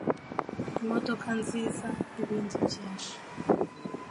imodoka nziza n'ibindi byinshi